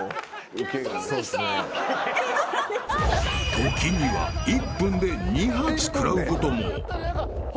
［時には１分で２発食らうことも］